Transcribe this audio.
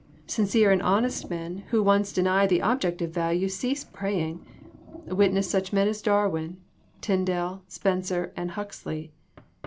Sincere and honest men who once deny the objective value cease praying, witness such men as Darwin, Tyndal, Spencer and Huxley.